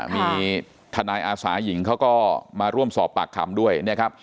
มีทางแนะอาสาห์หญิงเขาก็มาร่วมสอบปากคำด้วย